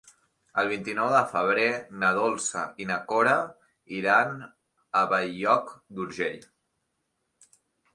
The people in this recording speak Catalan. El vint-i-nou de febrer na Dolça i na Cora iran a Bell-lloc d'Urgell.